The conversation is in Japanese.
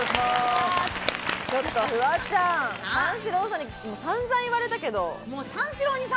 ちょっとフワちゃん、三四郎さんにさんざん言われたけど。